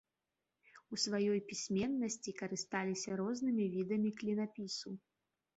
У сваёй пісьменнасці карысталіся рознымі відамі клінапісу.